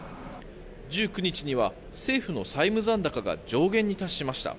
１９日には政府の債務残高が上限に達しました。